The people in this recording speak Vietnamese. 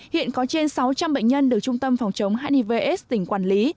hiện có trên sáu trăm linh bệnh nhân được trung tâm phòng chống hiv aids tỉnh quản lý